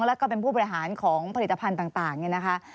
แล้วก็เป็นผู้บริหารของผลิตภัณฑ์ต่างเนี่ยนะคะ